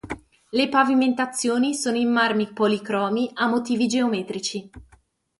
Le pavimentazioni sono in marmi policromi a motivi geometrici.